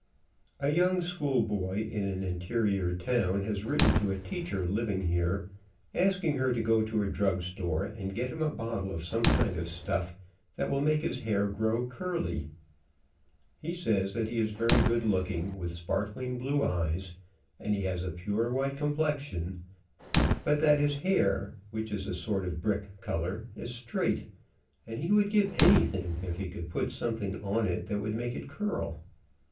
A young school boy in an interior town has written to a teacher living here, asking her to go to a drug store and get him a bottle of some kind of stuff that will make his hair grow curly. He says that he is very good looking, with sparkling blue eyes, and he has a pure white complexion, but that his hair, which is a sort of brick color, is straight, and he would give anything if he could put something on it that would make it curl.